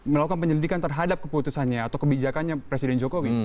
melakukan penyelidikan terhadap keputusannya atau kebijakannya presiden jokowi